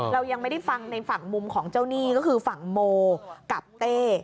เรายังไม่ได้ฟังในฝั่งมุมของเจ้าหนี้ก็คือฝั่งโมกับเต้